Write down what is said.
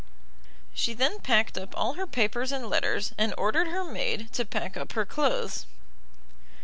She then packed up all her papers and letters, and ordered her maid to pack up her clothes.